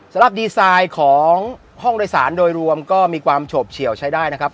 สำหรับดีไซน์ของห้องโดยสารโดยรวมก็มีความโฉบเฉียวใช้ได้นะครับ